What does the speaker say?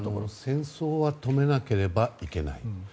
戦争は止めなければいけない。